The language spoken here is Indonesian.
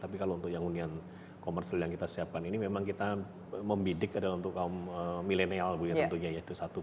tapi kalau untuk yang hunian komersil yang kita siapkan ini memang kita membidik adalah untuk kaum milenial bu ya tentunya ya itu satu